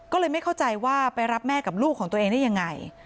ก็เลยไม่เข้าใจว่าไปรับแม่กับลูกของตัวเองได้ยังไง